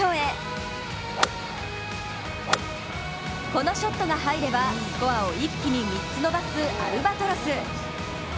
このショットが入ればスコアを一気に３つ伸ばすアルバトロス。